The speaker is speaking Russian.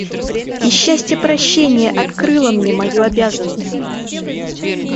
И счастье прощения открыло мне мою обязанность.